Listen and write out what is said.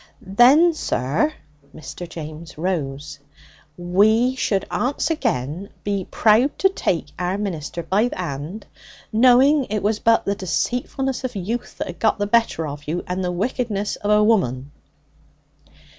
'Then, sir' Mr. James rose 'we should onst again be proud to take our minister by the 'and, knowing it was but the deceitfulness of youth that got the better of you, and the wickedness of an 'ooman.'